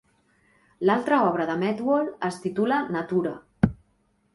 L'altra obra de Medwall es titula "Natura".